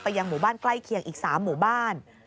ยังหมู่บ้านใกล้เคียงอีก๓หมู่บ้าน